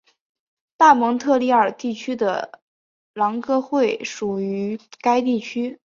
大蒙特利尔地区的朗格惠属于该地区。